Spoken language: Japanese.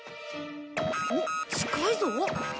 おっ近いぞ。